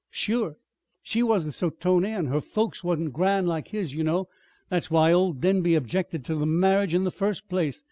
"Sure! She wa'n't so tony, an' her folks wa'n't grand like his, ye know. That's why old Denby objected ter the marriage in the first place.